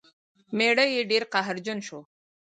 میړه یې ډیر قهرجن شو.